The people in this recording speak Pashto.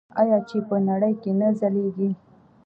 آیا چې په نړۍ کې نه ځلیږي؟